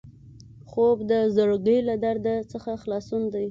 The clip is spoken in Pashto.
خوب د زړګي له درد څخه خلاصون دی